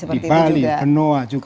di bali benoa juga